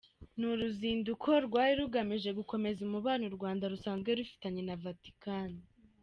Ni uruzinduko rwari rugamije gukomeza umubano u Rwanda rusanzwe rufitanye na Vatican.